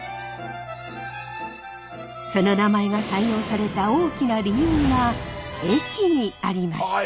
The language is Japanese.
その名前が採用された大きな理由は駅にありました。